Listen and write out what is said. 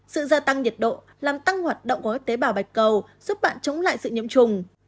sự gia tăng nhiệt độ làm tăng hoạt động của các tế bào bạch cầu giúp bạn chống lại sự nhiễm trùng